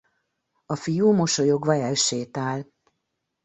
A fiú mosolyogva elsétál.